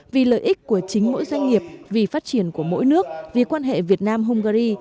vì lợi ích của chính mỗi doanh nghiệp vì phát triển của mỗi nước vì quan hệ việt nam hungary